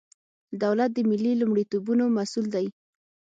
دولت د ملي لومړیتوبونو مسئول دی.